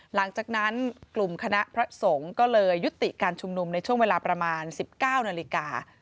หลังจากนั้นกลุ่มคณะพระสงฆ์ก็เลยยุติการชุมนุมในช่วงเวลาประมาณ๑๙นาฬิกา